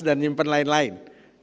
dan menyimpan lain lain